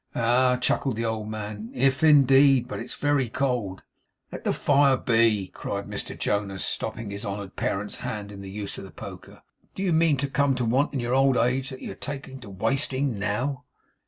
'Ah!' chuckled the old man. 'IF, indeed! But it's very cold.' 'Let the fire be!' cried Mr Jonas, stopping his honoured parent's hand in the use of the poker. 'Do you mean to come to want in your old age, that you take to wasting now?